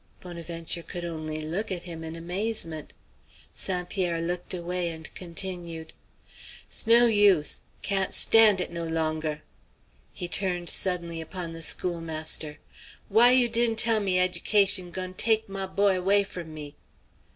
Bonaventure could only look at him in amazement. St. Pierre looked away and continued: "'S no use. Can't stand it no longer." He turned suddenly upon the schoolmaster. "Why you di'n' tell me ed'cation goin' teck my boy 'way from me?"